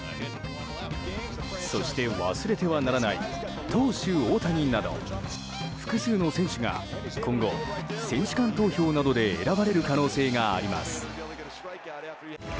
そして忘れてはならない投手・大谷など複数の選手が今後、選手間投票などで選ばれる可能性があります。